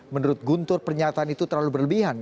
menurut guntur pernyataan itu terlalu berlebihan